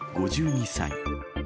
５２歳。